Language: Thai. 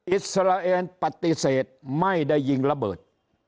อิสราเอลปฏิเสธไม่ได้ยิงระเบิด